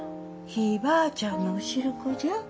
ひいばあちゃんのお汁粉じゃ。